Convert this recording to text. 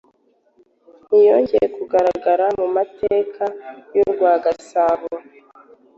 ntiyongeye kugaragara mu mateka y’urwa Gasabo.